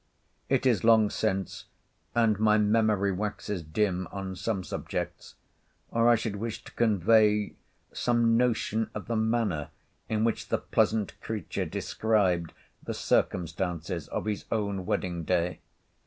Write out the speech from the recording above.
It is long since, and my memory waxes dim on some subjects, or I should wish to convey some notion of the manner in which the pleasant creature described the circumstances of his own wedding day.